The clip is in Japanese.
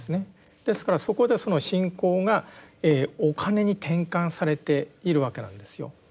ですからそこでその信仰がお金に転換されているわけなんですよ。